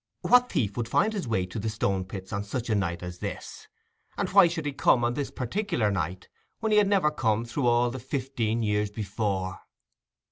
What thief would find his way to the Stone pits on such a night as this? and why should he come on this particular night, when he had never come through all the fifteen years before?